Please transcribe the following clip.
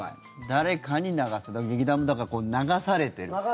誰かに流されて劇団もだから、流されてる。